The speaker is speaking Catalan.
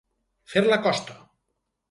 Fer la costa.